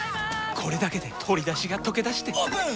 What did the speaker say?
これだけで鶏だしがとけだしてオープン！